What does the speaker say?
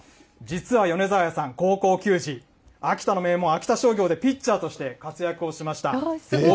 実は米沢谷さん、高校球児、秋田の名門、秋田商業でピッチャーとして活躍をしました。